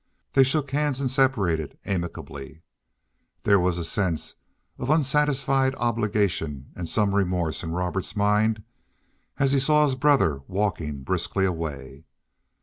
They shook hands and separated amicably. There was a sense of unsatisfied obligation and some remorse in Robert's mind as he saw his brother walking briskly away.